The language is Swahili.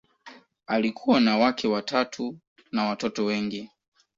Alikuwa na wake watatu na watoto wengi.